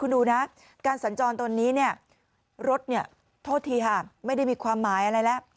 คุณดูนะการสัญจรตอนนี้รถโทษทีไม่ได้มีความหมายอะไรแล้ว